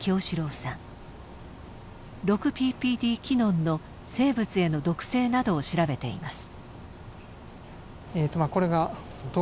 ６ＰＰＤ−キノンの生物への毒性などを調べています。